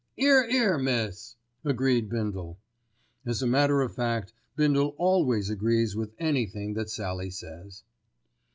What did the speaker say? "'Ere, 'ere, miss," agreed Bindle. As a matter of fact Bindle always agrees with anything that Sallie says.